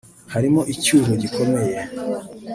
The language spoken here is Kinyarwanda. harimo icyuho gikomeye